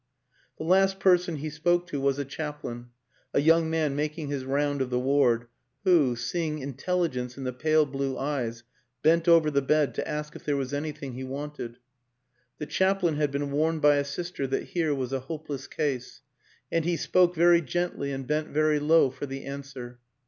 The last person he spoke to was a chaplain, a young man making his round of the ward, who, seeing intelligence in the pale blue eyes, bent over the bed to ask if there was anything he wanted. The chaplain had been warned by a sister that here was a hopeless case, and he spoke very gently and bent very low for the answer.